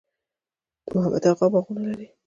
د محمد اغه باغونه لري